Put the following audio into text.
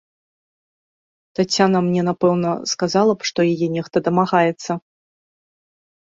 Таццяна мне, напэўна, сказала б, што яе нехта дамагаецца.